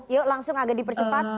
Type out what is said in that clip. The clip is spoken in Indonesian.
yuk langsung agak dipercepat